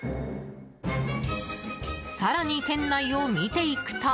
更に、店内を見ていくと